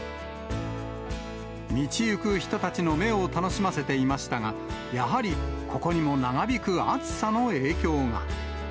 道行く人たちの目を楽しませていましたが、やはりここにも長引く暑さの影響が。